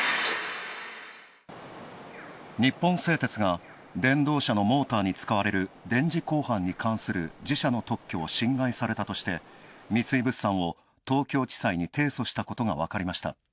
日本製鉄が電動車のモーターに使われる電磁鋼板に関する自社の特許を侵害されたとして三井物産を東京地裁に提訴したことが分かりました。